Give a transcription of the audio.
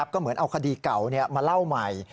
ก็เหมือนเอาคดีเก่ามาเล่าใหม่